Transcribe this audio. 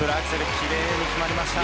きれいに決まりました。